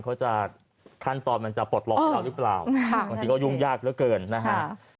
เขาจะขั้นตอนมันจะปลดล็อกให้เราหรือเปล่าบางทีก็ยุ่งยากเหลือเกินนะฮะ